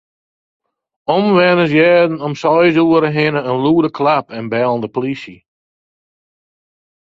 Omwenners hearden om seis oere hinne in lûde klap en bellen de plysje.